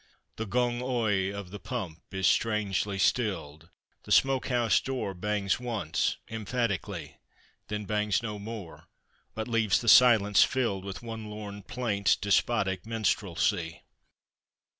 The "Gung oigh" of the pump is strangely stilled; The smoke house door bangs once emphatic'ly, Then bangs no more, but leaves the silence filled With one lorn plaint's despotic minstrelsy.